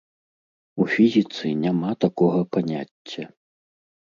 У фізіцы няма такога паняцця!